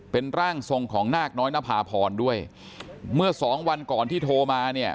เป็นร่างทรงของนาคน้อยนภาพรด้วยเมื่อสองวันก่อนที่โทรมาเนี่ย